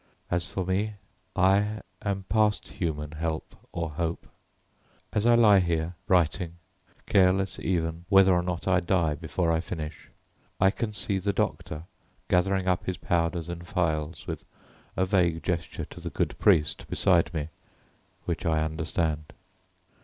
As for me, I am past human help or hope. As I lie here, writing, careless even whether or not I die before I finish, I can see the doctor gathering up his powders and phials with a vague gesture to the good priest beside me, which I understand.